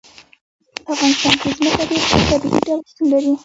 په افغانستان کې ځمکه په طبیعي ډول شتون لري.